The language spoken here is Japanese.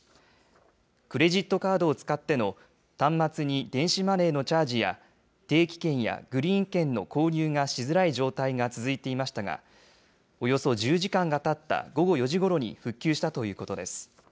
クレジットカードを使っての端末に電子マネーのチャージや、定期券やグリーン券の購入がしづらい状態が続いていましたが、およそ１０時間がたった午後４時ごろに復旧したということです。